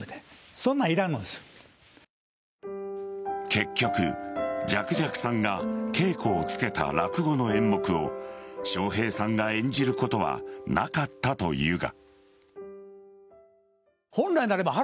結局、雀々さんが稽古をつけた落語の演目を笑瓶さんが演じることはなかったというが。